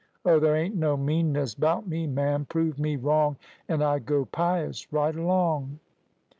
Oh, there ain't no meanness 'bout me, ma'am. Prove me wrong, an' I go pious right along."